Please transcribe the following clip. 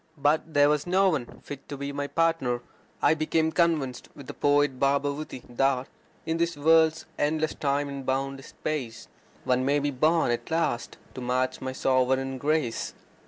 But there was no one fit to be my partner. I became convinced, with the poet Bhabavuti, that In this worlds endless time and boundless space One may be born at last to match my sovereign grace.